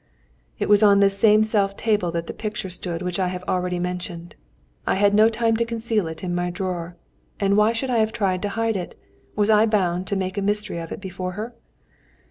It was on this self same table that the picture stood which I have already mentioned. I had no time to conceal it in my drawer. And why should I have tried to hide it? Was I bound to make a mystery of it before her?